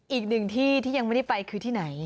อีกหนึ่งที่ที่ยังไม่ได้ไปคือที่ไหน